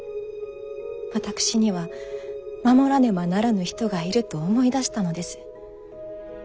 私には守らねばならぬ人がいると思い出したのです。